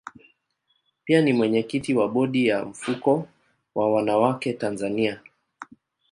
Pia ni mwenyekiti wa bodi ya mfuko wa wanawake Tanzania.